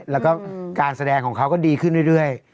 แล้วก็การแสดงของเขาก็ดีขึ้นเรื่อย